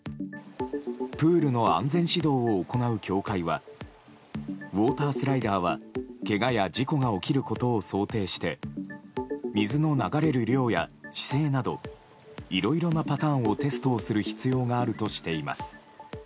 プールの安全指導を行う協会はウォータースライダーはけがや事故が起きることを想定して水の流れる量や姿勢などいろいろなパターンをテストをする必要があるとしています。